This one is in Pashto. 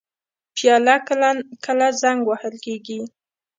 پیاله کله کله زنګ وهل کېږي.